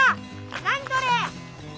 何それ！